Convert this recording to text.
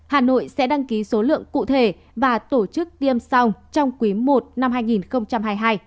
hà nội sẽ đăng ký số lượng cụ thể và tổ chức tiêm sau trong quý i năm hai nghìn hai mươi hai